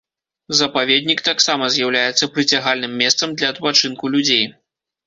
Запаведнік таксама з'яўляецца прыцягальным месцам для адпачынку людзей.